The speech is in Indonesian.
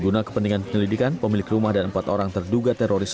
guna kepentingan penyelidikan pemilik rumah dan empat orang terduga teroris